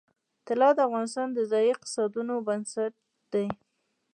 طلا د افغانستان د ځایي اقتصادونو بنسټ دی.